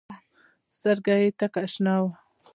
سترګه يې تکه شنه وه.